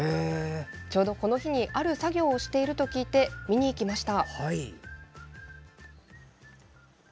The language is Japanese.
ちょうどこの日にある作業をしていると聞いて見に行きました。